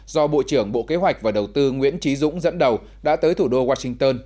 do bộ trưởng bộ kế hoạch và đầu tư nguyễn trí dũng dẫn đầu đã tới thủ đô washington